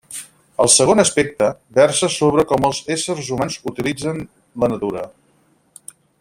El segon aspecte, versa sobre com els éssers humans utilitzen la natura.